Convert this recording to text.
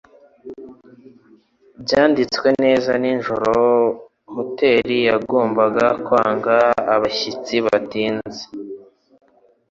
Byanditswe neza nijoro hoteri yagombaga kwanga abashyitsi batinze